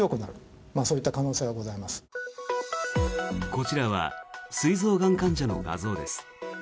こちらはすい臓がん患者の画像です。